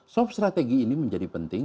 soft strategi ini menjadi penting